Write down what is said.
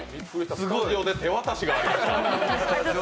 スタジオで手渡しがありました。